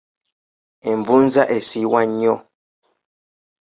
Envunza esiiwa nnyo.